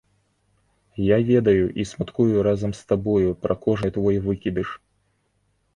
Я ведаю і смуткую разам з табою пра кожны твой выкідыш.